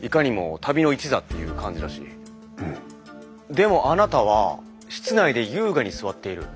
でもあなたは室内で優雅に座っている。